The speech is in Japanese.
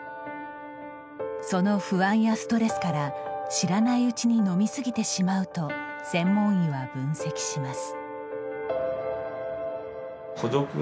その不安やストレスから知らないうちに飲み過ぎてしまうと専門医は分析します。